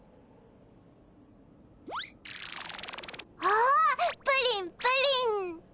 おプリンプリン。